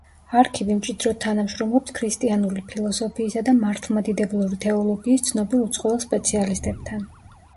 არქივი მჭიდროდ თანამშრომლობს ქრისტიანული ფილოსოფიისა და მართლმადიდებლური თეოლოგიის ცნობილ უცხოელ სპეციალისტებთან.